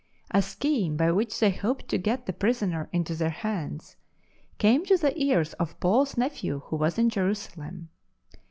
A scheme by which they hoped to get the prisoner into their hands came to the ears of Paul's nephew who was in Jerusalem.